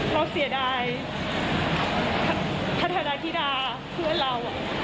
เราเสียดายพัฒนาธิดาเพื่อนเรา